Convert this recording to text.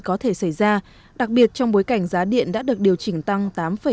có thể xảy ra đặc biệt trong bối cảnh giá điện đã được điều chỉnh tăng tám ba mươi